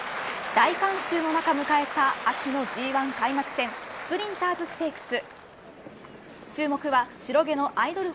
大観衆の中、迎えた秋のＧ１開幕戦スプリンターズステークス。